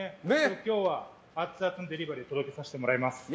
今日はアツアツのデリバリーを届けさせてもらいます。